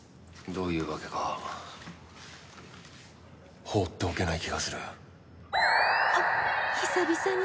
どういうわけか放っておけない。